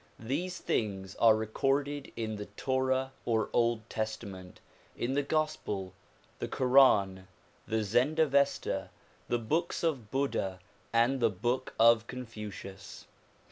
These things are recorded in the torah or old testament, in the gospel, the koran, the zend avesta, the books of Buddha and the book of Confucius.